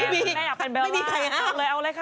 ไม่มีใครค่ะ